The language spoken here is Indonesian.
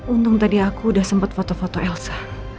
untung tadi aku udah sempat foto foto elsa